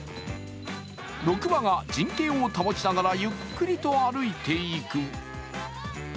６羽が陣形を保ちながらゆっくりと歩いていく。